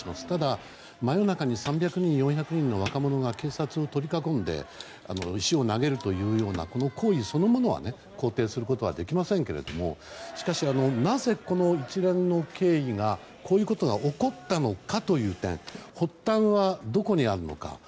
ただ、真夜中に３００人、４００人の若者が警察を取り囲んで石を投げるというような行為そのものは肯定することはできませんけれどもしかし、なぜこの一連の経緯がこういうことが起こったのかという点発端はどこにあるのか？